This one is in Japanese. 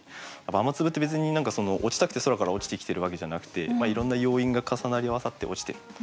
雨粒って別に何か落ちたくて空から落ちてきてるわけじゃなくていろんな要因が重なり合わさって落ちてる。